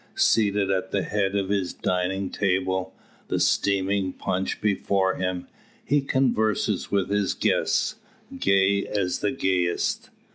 Seated at the head of his dining table, the steaming punch before him, he converses with his guests, gay as the gayest.